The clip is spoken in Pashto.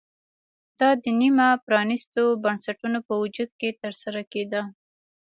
دا د نیمه پرانېستو بنسټونو په وجود کې ترسره کېده